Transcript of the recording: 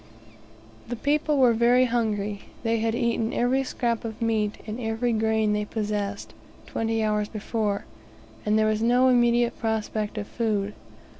The people were very hungry; they had eaten every scrap of meat, and every grain they possessed, twenty hours before, and there was no immediate prospect of food.